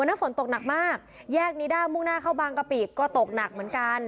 นั้นฝนตกหนักมากแยกนิด้ามุ่งหน้าเข้าบางกะปิก็ตกหนักเหมือนกัน